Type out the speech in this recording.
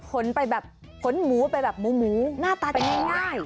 ขนไปแบบขนหมูไปแบบหมูหน้าตาจะง่าย